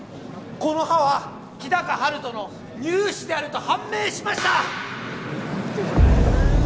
この歯は日高陽斗の乳歯であると判明しました